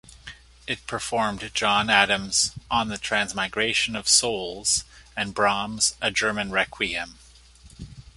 It performed John Adams' On the Transmigration of Souls and Brahms' A German Requiem.